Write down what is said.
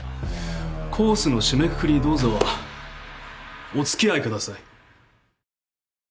コースの締めくくりにどうぞお付き合いください。